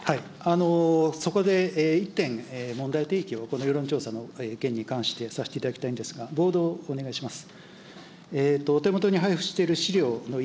そこで１点、問題提起を、この世論調査の意見に関してさせていただきたいんですが、ボードをお願いします。